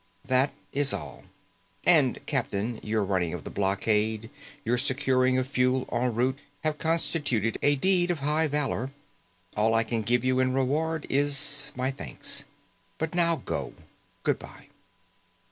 "That is all. And, Captain, your running of the blockade, your securing of fuel en route, have constituted a deed of high valor. All I can give you in reward is my thanks. But now go. Goodbye."